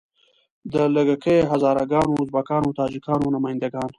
د لږه کیو هزاره ګانو، ازبکانو او تاجیکانو نماینده ګان.